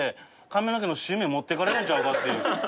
髪の毛の新芽持ってかれるんちゃうかっていう。